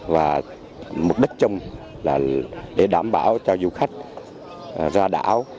và mục đích chung là để đảm bảo cho du khách ra đảo